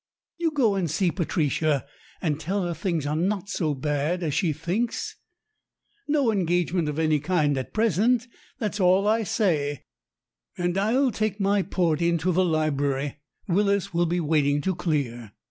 You go and see Patricia, and tell her things are not so bad as she thinks. No engagement of any kind at present, that's all I say. And I'll take my port into the library; W r illis will be waiting to clear."